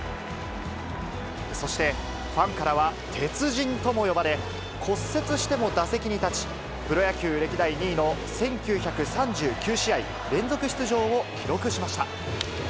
そして、ファンからは鉄人とも呼ばれ、骨折しても打席に立ち、プロ野球歴代２位の１９３９試合連続出場を記録しました。